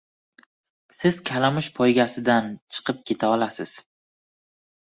Siz kalamush poygasidan chiqib keta olasiz